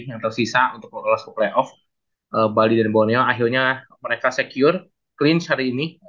yang tersisa untuk lolos ke playoff bali dan borneo akhirnya mereka secure klins hari ini